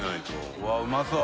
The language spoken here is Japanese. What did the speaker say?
うわっうまそう。